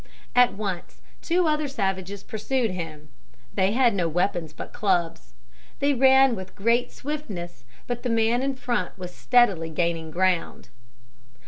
At once two other savages pursued him. They had no weapons but clubs. They ran with great swiftness, but the man in front was steadily gaining ground.